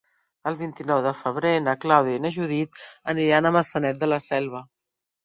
El vint-i-nou de febrer na Clàudia i na Judit aniran a Maçanet de la Selva.